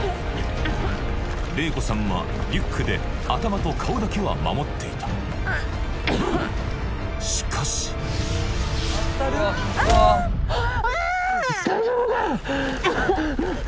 玲子さんはリュックで頭と顔だけは守っていたしかしあっ大丈夫か？